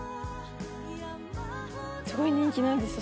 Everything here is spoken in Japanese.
すごい人気なんですよ。